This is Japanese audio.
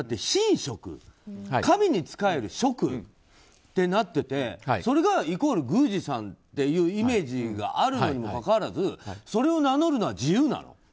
神職、神に仕える職ってなっててそれがイコール宮司さんってイメージがあるのにもかかわらずそれを名乗るのは自由なの？